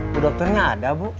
bu dokternya ada bu